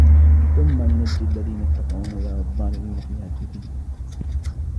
ثم ننجي الذين اتقوا ونذر الظالمين فيها جثيا